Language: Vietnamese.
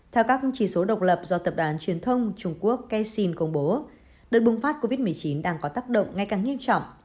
theo các chỉ số độc lập do tập đoàn truyền thông trung quốc casin công bố đợt bùng phát covid một mươi chín đang có tác động ngay càng nghiêm trọng